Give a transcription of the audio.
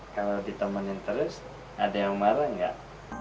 kalo ditemenin terus ada yang marah gak